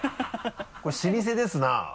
これ老舗ですな。